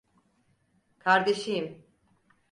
Kardeşiyim.